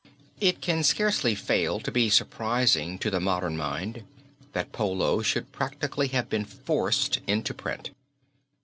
It can scarcely fail to be surprising to the modern mind that Polo should practically have been forced into print.